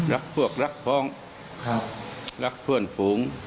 รักพวกรักของรักเพื่อนฝูง